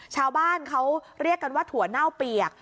ชาวบ้านเขาเรียกกันว่าถั่วเน่าเปียก